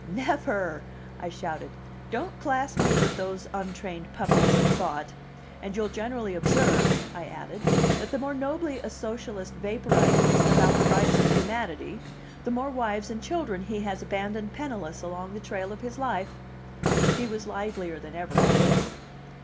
"Never!" I shouted. "Don't class me with those untrained puppies of thought. And you'll generally observe," I added, "that the more nobly a Socialist vaporizes about the rights of humanity, the more wives and children he has abandoned penniless along the trail of his life." He was livelier than ever at this.